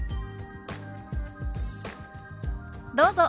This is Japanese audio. どうぞ。